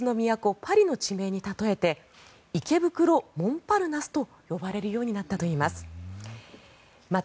パリの地名に例えて池袋モンパルナスと呼ばれるようになったといいます。